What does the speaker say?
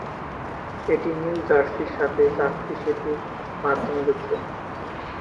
এটি নিউ জার্সির সাথে চারটি সেতুর মাধ্যমে যুক্ত।